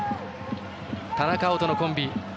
田中碧とのコンビ。